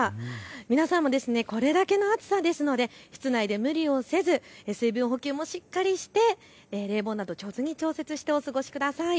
皆さんもこれだけの暑さですので室内で無理をせず水分補給もしっかりして冷房など上手に調節してお過ごしください。